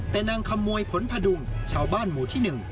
แต่นางขโมยผลพดุงเช้าบ้านหมู่ที่หนึ่ง